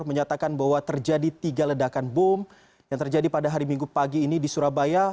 menyatakan bahwa terjadi tiga ledakan bom yang terjadi pada hari minggu pagi ini di surabaya